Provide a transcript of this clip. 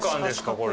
これ。